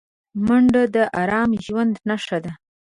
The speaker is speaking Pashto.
منډه د ارام ژوند نښه ده